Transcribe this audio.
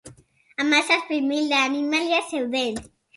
Hamazazpi mila animalia zeuden.